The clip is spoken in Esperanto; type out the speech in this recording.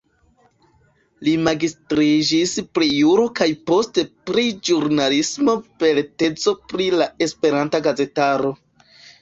Li magistriĝis pri juro kaj poste pri ĵurnalismo per tezo pri la Esperanta gazetaro.